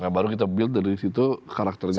baru kita build dari situ karakternya